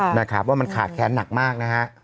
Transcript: เพราะว่ามันขาดแค้นหนักมาก